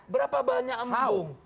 berapa banyak embung